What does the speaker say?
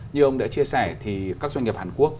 như ông đã chia sẻ thì các doanh nghiệp hàn quốc